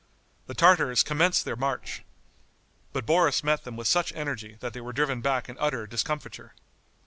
The Tartars commenced their march. But Boris met them with such energy that they were driven back in utter discomfiture.